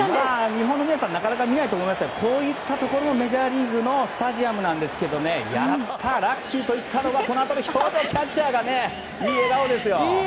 日本の皆さんなかなか見ないと思いますがこういったところがメジャーリーグのスタジアムなんですけどやった、ラッキー！というキャッチャーのいい笑顔ですよ。